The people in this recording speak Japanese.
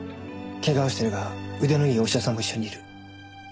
ケガをしてるが腕のいいお医者さんも一緒にいる。